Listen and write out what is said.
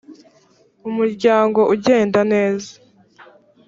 umuryango ugenda neza.